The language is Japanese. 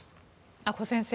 阿古先生